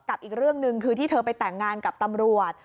อีกเรื่องหนึ่งคือที่เธอไปแต่งงานกับตำรวจ